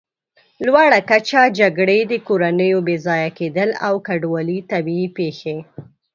لوړه کچه، جګړې، د کورنیو بېځایه کېدل او کډوالي، طبیعي پېښې